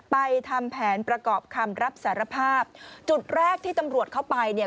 ทำแผนประกอบคำรับสารภาพจุดแรกที่ตำรวจเข้าไปเนี่ย